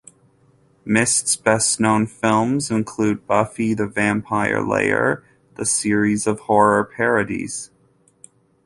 Myst's best known films include the "Buffy the Vampire Layer" series of horror parodies.